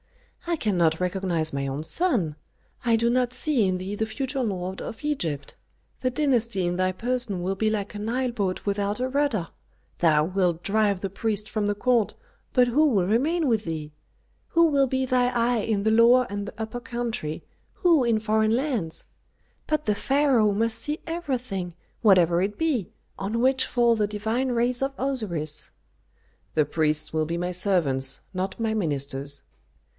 "I cannot recognize my own son. I do not see in thee the future lord of Egypt. The dynasty in thy person will be like a Nile boat without a rudder. Thou wilt drive the priests from the court, but who will remain with thee? Who will be thy eye in the Lower and the Upper Country, who in foreign lands? But the pharaoh must see everything, whatever it be, on which fall the divine rays of Osiris." "The priests will be my servants, not my ministers."